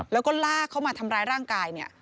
แล้วก็ลากเขามาทำร้ายร่างกายเนี่ย